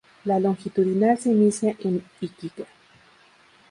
La longitudinal se inicia en Iquique.